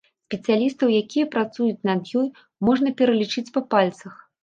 Спецыялістаў, якія працуюць над ёй, можна пералічыць па пальцах.